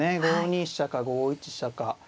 ５二飛車か５一飛車か。